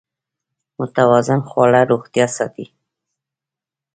متوازن خواړه روغتیا ساتي.